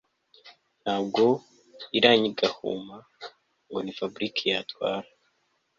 ntabwo iranyigaguhuma ngo ni Fabric yatwara